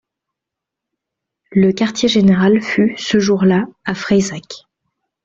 Le quartier-général fut, ce jour-là, à Freisack.